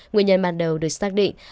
nguyên nhân bắt đầu được xác định